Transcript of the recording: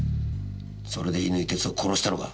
それで乾哲夫を殺したのか？